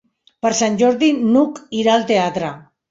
Per Sant Jordi n'Hug irà al teatre.